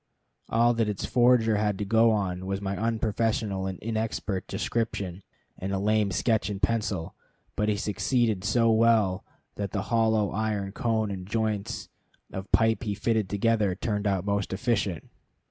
All that its forger had to go on was my unprofessional and inexpert description, and a lame sketch in pencil; but he succeeded so well that the hollow iron cone and joints of pipe he fitted together turned out most efficient.